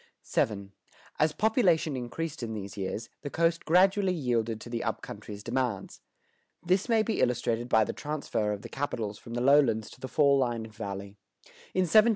[121:1] VII. As population increased in these years, the coast gradually yielded to the up country's demands. This may be illustrated by the transfer of the capitals from the lowlands to the fall line and Valley.